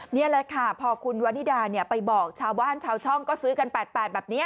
นี่แหละค่ะพอคุณวันนิดาไปบอกชาวบ้านชาวช่องก็ซื้อกัน๘๘แบบนี้